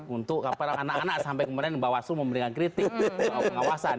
untuk anak anak sampai kemudian membawa sumber dengan kritik pengawasan